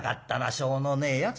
しょうのねえやつだ